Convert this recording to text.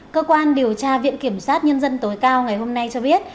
cơ quan điều tra viện kiểm sát nhân dân tối cao ngày hôm nay cho biết